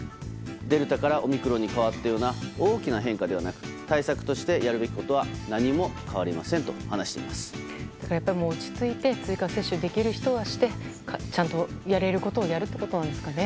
デルタからオミクロンに変わったような大きな変化ではなく対策としてやるべきことは何も変わりませんと落ち着いて追加接種できる人はしてちゃんとやれることをやるってことなんですかね。